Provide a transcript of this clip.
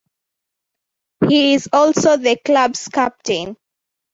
He is also the club's captain.